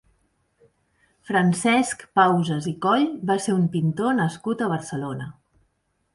Francesc Pausas i Coll va ser un pintor nascut a Barcelona.